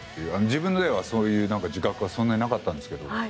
自分ではそんな自覚はそんなになかったんですけど。